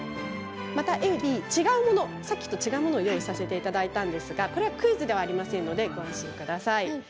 またＡとＢ違うものさっきと違うものを用意させていただいたんですがこちらはクイズではないのでご安心ください。